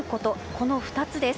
この２つです。